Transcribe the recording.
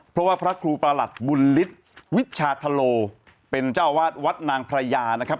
เพราะว่าพระครูประหลัดบุญฤทธิ์วิชาธโลเป็นเจ้าอาวาสวัดนางพระยานะครับ